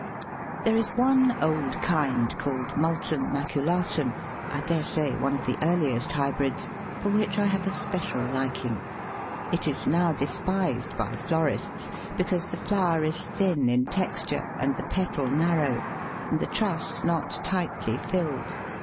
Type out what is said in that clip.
There is one old kind called Multum maculatum I dare say one of the earliest hybrids for which I have a special liking. It is now despised by florists, because the flower is thin in texture and the petal narrow, and the truss not tightly filled.